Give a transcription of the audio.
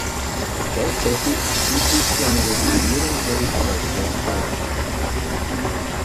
Gleichzeitig führt sie zu einer Reduzierung der Rindfleischproduktion.